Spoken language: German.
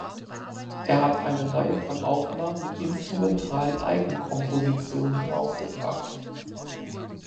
Er hat eine Reihe von Aufnahmen mit instrumentalen Eigenkompositionen herausgebracht.